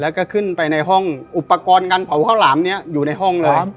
แล้วก็ขึ้นไปในห้องอุปกรณ์การเผาข้าวหลามนี้อยู่ในห้องเลย